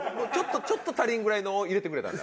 ちょっと足りんぐらいのを入れてくれたんだ。